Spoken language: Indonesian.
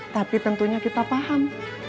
tapi tentunya kita paham